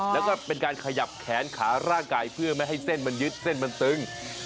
แล้วก็เป็นการขยับแขนขาร่างกายเพื่อไม่ให้เส้นมันยึดเส้นมันตึง